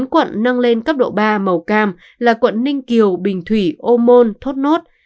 bốn quận nâng lên cấp độ ba màu cam là quận ninh kiều bình thủy ô môn thốt nốt